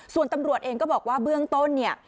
ส่วนตำรวจเองก็บอกว่าเบื้องต้นเนี่ย